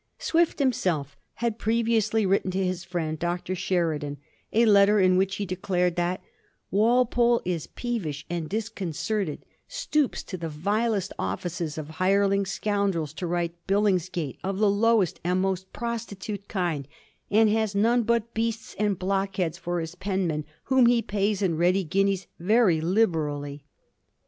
Swift himself had previously written to his friend Dr. Sheridan a letter in which he declared that 'Walpole is peevish and discon certed, stoops to the vilest offices of hireling scoun drels to write Billingsgate of the lowest and most prostitute kind, and has none but beasts and block heads for his penmen, whom he pays in ready guineas very liberally.'